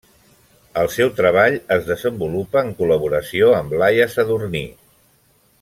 El seu treball es desenvolupa en col·laboració amb Laia Sadurní.